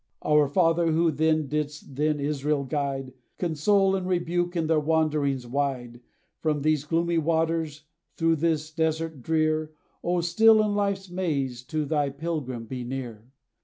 Our Father, who then didst thine Israel guide, Console, and rebuke in their wanderings wide, From these gloomy waters, through this desert drear, O still in life's maze, to thy pilgrim be near!